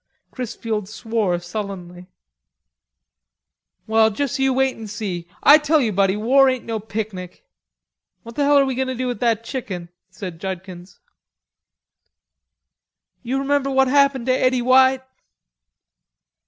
Chrisfield swore sullenly. "Well, you juss wait 'n see. I tell you, buddy, war ain't no picnic." "What the hell are we goin' to do with that chicken?" said Judkins. "You remember what happened to Eddie White?"